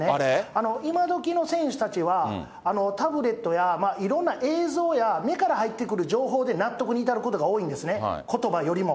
今どきの選手たちは、タブレットや、いろんな映像や目から入ってくる情報で納得に至ることが多いんですね、ことばよりも。